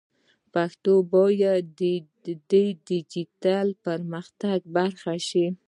پښتو باید د ډیجیټل پرمختګ برخه شي.